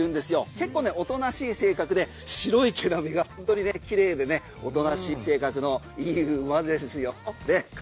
結構おとなしい性格で白い毛並みが本当に綺麗でねおとなしい性格のいい馬ですよね。